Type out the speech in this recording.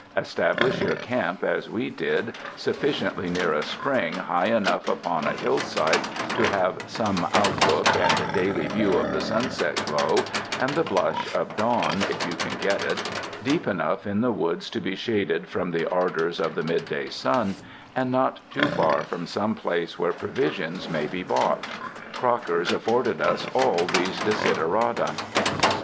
Establish your camp, as we did, sufficiently near a spring, high enough upon a hillside to have some outlook and daily view of the sunset glow and the blush of dawn if you can get it, deep enough in the woods to be shaded from the ardors of the midday sun; and not too far from some place where provisions may be bought. Crocker's afforded us all these desiderata.